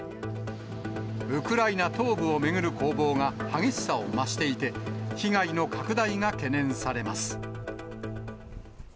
ウクライナ東部を巡る攻防が激しさを増していて、被害の拡大が懸念されます。